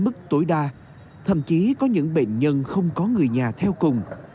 mức tối đa thậm chí có những bệnh nhân không có người nhà theo cùng